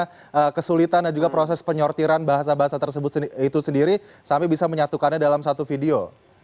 karena kesulitan dan juga proses penyortiran bahasa bahasa tersebut itu sendiri sampai bisa menyatukannya dalam satu video